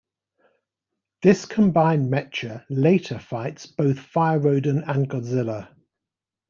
This combined mecha later fights both Fire Rodan and Godzilla.